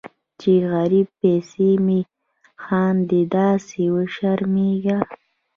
چې غریبۍ پسې مې خاندي داسې وشرمیږم